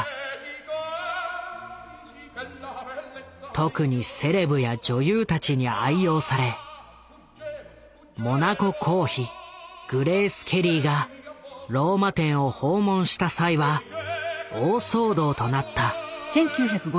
特にセレブや女優たちに愛用されモナコ公妃グレース・ケリーがローマ店を訪問した際は大騒動となった。